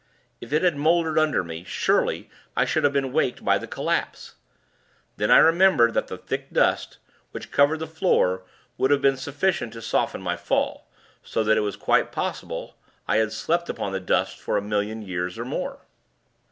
If it had mouldered under me, surely, I should have been waked by the collapse. Then I remembered that the thick dust, which covered the floor, would have been sufficient to soften my fall; so that it was quite possible, I had slept upon the dust for a million years or more.